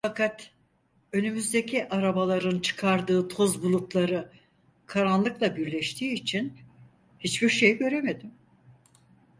Fakat önümüzdeki arabaların çıkardığı toz bulutları karanlıkla birleştiği için hiçbir şey göremedim.